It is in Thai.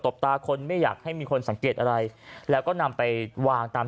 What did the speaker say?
บตาคนไม่อยากให้มีคนสังเกตอะไรแล้วก็นำไปวางตาม